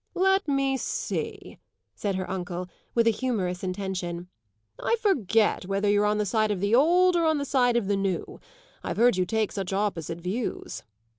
"Let me see," said her uncle, with a humorous intention; "I forget whether you're on the side of the old or on the side of the new. I've heard you take such opposite views."